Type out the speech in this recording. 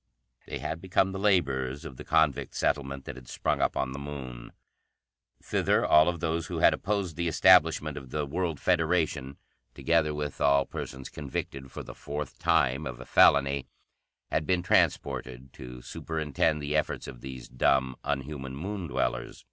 They had become the laborers of the convict settlement that had sprung up on the Moon. Thither all those who had opposed the establishment of the World Federation, together with all persons convicted for the fourth time of a felony, had been transported, to superintend the efforts of these dumb, unhuman Moon dwellers.